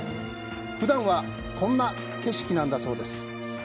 ふだんはこんな景色なんだそうです。